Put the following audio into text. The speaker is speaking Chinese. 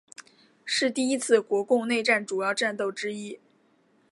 是第一次国共内战主要战斗之一。